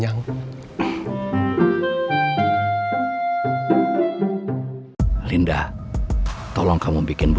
silakan pak raymond mau menemukanmu